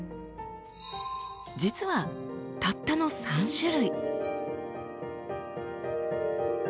実はたったの３種類。